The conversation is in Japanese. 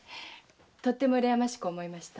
とても羨ましく思いました。